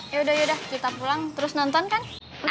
yaudah yaudah kita pulang terus nonton kan